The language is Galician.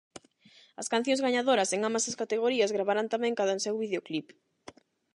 As cancións gañadoras en ambas as categorías gravarán tamén cadanseu videoclip.